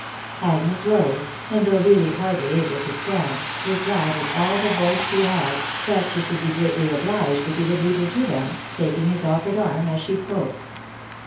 Agnes rose, and though really hardly able to stand; replied^ with all die voice she had, that she should be greatly; obhged if he would lead her to tivem, taking hnr offered arm as she spoke.